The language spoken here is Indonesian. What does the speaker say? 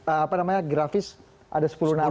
apa namanya grafis ada sepuluh nama